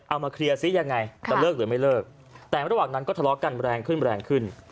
เอามาเคลียร์ซิยังไงจะเลิกหรือไม่เลิกแต่ระหว่างนั้นก็ทะเลาะกันแรงขึ้นแรงขึ้น